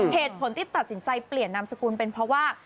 เหตุผลที่ตัดสินใจเปลี่ยนนามสกุลเป็นเพราะว่า